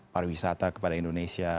pariwisata kepada indonesia